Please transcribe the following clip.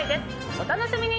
お楽しみに！